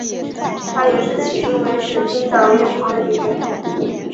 她也是迄今为止冰岛唯一的女总统。